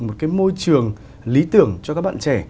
một cái môi trường lý tưởng cho các bạn trẻ